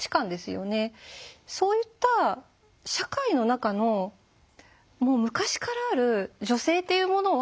そういった社会の中のもう昔からある女性というものは。